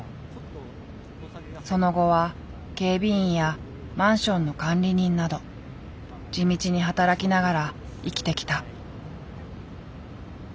その後は警備員やマンションの管理人など地道に働きながら生きてきた。